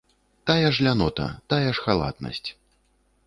Тая ж лянота, тая ж халатнасць.